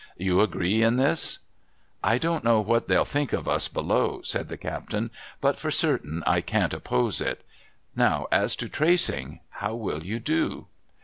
You agree in this ?'' I don't know what they'll think of us below,' said the captain, ' but for certain I can't oi)pose it. Now, as to tracing. How will you do